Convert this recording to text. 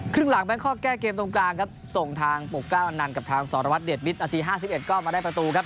ครึ่งหลังแบงคอกแก้เกมตรงกลางครับส่งทางปกกล้าอันนันกับทางสรวัตเดชมิตรนาที๕๑ก็มาได้ประตูครับ